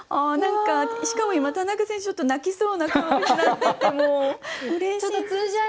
しかも今田中選手ちょっと泣きそうな顔になっててもううれしい。